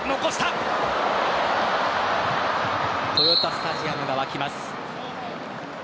豊田スタジアムが沸きます。